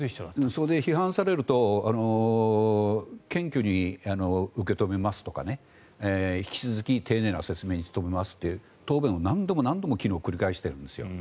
それで批判されると謙虚に受け止めますとか引き続き丁寧な説明に努めますという答弁を昨日何度も何度も繰り返してるんですよ。